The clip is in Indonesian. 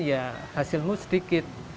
ya hasilmu sedikit